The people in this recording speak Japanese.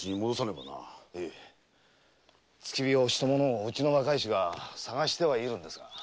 へい付け火をした者をうちの若い衆が捜してはいるんですが。